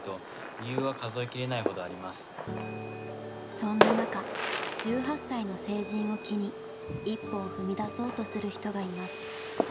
そんな中１８歳の成人を機に一歩を踏み出そうとする人がいます。